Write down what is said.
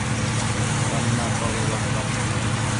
জানি না কবে বদলাবি।